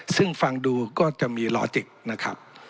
ซึ่งฟังดูก็จะมีล็อจิก